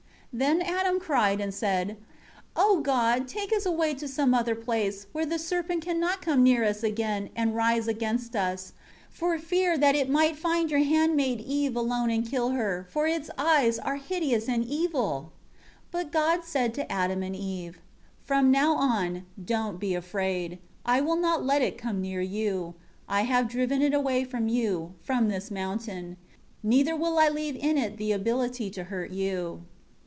1 Then Adam cried and said, "O God, take us away to some other place, where the serpent can not come near us again, and rise against us. For fear that it might find Your handmaid Eve alone and kill her; for its eyes are hideous and evil." 2 But God said to Adam and Eve, "From now on, don't be afraid, I will not let it come near you; I have driven it away from you, from this mountain; neither will I leave in it the ability to hurt you."